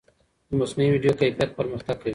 د مصنوعي ویډیو کیفیت پرمختګ کوي.